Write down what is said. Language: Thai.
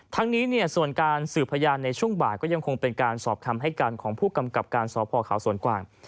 ทั้งนี้ส่วนการสืบพยานในช่วงบ่ายก็ยังคงเป็นการสอบคำให้การของผู้กำกับการสพเขาสวนกวาง